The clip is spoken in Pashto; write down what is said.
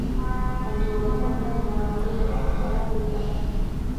انډیوالي پالنه د ناانډولۍ یوه ښکاره بېلګه ده.